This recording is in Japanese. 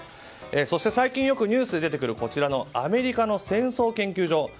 そして、最近よくニュースに出てくるアメリカの戦争研究所。